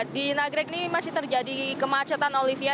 di nagrek ini masih terjadi kemacetan olivia